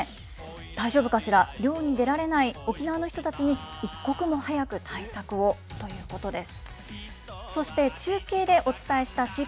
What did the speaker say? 大丈夫かしら、漁に出られない沖縄の人たちに、一刻も早く対策をということです。